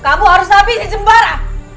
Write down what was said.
kamu harus habisi sembara